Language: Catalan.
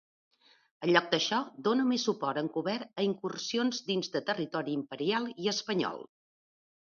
En lloc d'això, donà més suport encobert a incursions dins de territori imperial i espanyol.